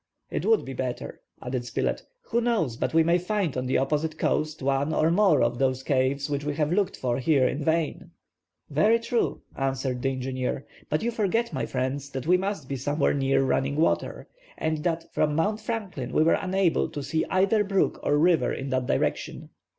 "It would be better," added Spilett; "who knows but we may find on the opposite coast one or more of those caves which we have looked for here in vain." "Very true," answered the engineer, "but you forget, my friends, that we must be somewhere near running water, and that from Mount Franklin we were unable to see either brook or river in that direction.